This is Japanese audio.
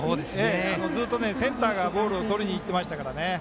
ずっとセンターがボールをとりにいってましたから。